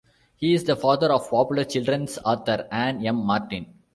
He is the father of popular children's author Ann M. Martin.